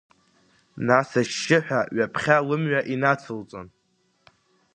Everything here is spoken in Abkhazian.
Нас ашьшьыҳәа ҩаԥхьа лымҩа инацылҵон.